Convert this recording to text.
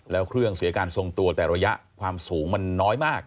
แล้วเครื่องเสียการทรงตัวแต่ระยะความสูงมันน้อยมาก